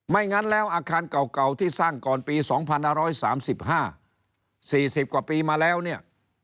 งั้นแล้วอาคารเก่าที่สร้างก่อนปี๒๕๓๕๔๐กว่าปีมาแล้วเนี่ย